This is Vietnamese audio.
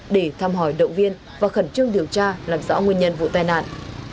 để thăm hỏi động viên và khẩn trương điều tra làm rõ nguyên nhân vụ tai nạn